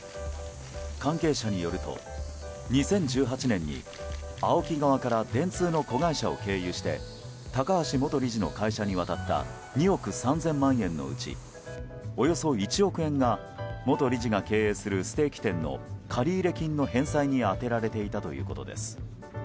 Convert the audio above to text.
関係者によると２０１８年にＡＯＫＩ側から電通の子会社を経由して高橋元理事の会社に渡った２億３０００万円のうちおよそ１億円が元理事が経営するステーキ店の借入金の返済に充てられていたということです。